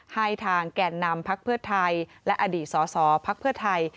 ให้ทางแก่นนำพักเพื่อไทยและอดีตสอสอภักดิ์เพื่อไทย